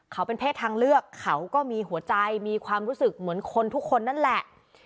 เขาเป็นเพศทางเลือกเขาก็มีหัวใจมีความรู้สึกเหมือนคนทุกคนนั่นแหละ